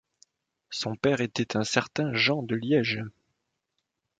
Son père était un certain Jean de Liège.